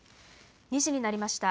２時になりました。